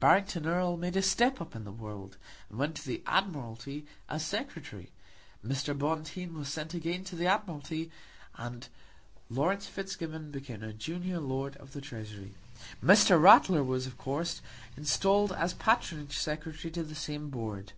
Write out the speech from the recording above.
Barrington Erle made a step up in the world, and went to the Admiralty as Secretary; Mr. Bonteen was sent again to the Admiralty; and Laurence Fitzgibbon became a junior Lord of the Treasury. Mr. Ratler was, of course, installed as Patronage Secretary to the same Board.